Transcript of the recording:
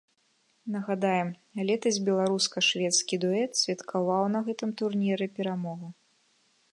Нагадаем, летась беларуска-шведскі дуэт святкаваў на гэтым турніры перамогу.